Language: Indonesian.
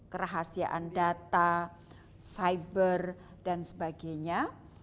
kerahasiaan data cyber dan sebagainya